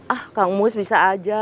ah kang mus bisa aja